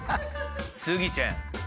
スギちゃん！